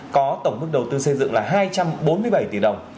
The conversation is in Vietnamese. có tổng mức đầu tư xây dựng là hai trăm bốn mươi bảy tỷ đồng